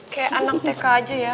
kayak anak tk aja ya